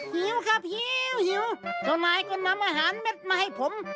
หิวครับหิวหิวเจ้านายก็นำอาหารเม็ดมาให้ผม